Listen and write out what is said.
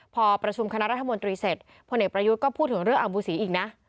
พอประชุมคณะรัฐมนตรีเสร็จพลเอกประยุทธ์ก็พูดถึงเรื่องอามบูสีอีกนะ